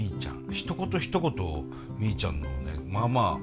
ひと言ひと言みーちゃんのねまあまあ